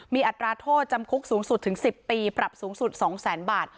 มีอัตราโทษจำคุกสูงสุดถึง๑๐ปีปรับสูงสุด๒แสนบาท